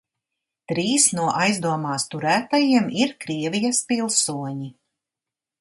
Trīs no aizdomās turētajiem ir Krievijas pilsoņi.